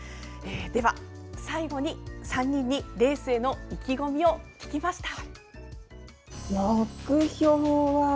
最後に３人にレースへの意気込みを聞きました。